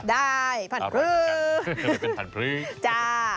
ได้ฟั่นธรรม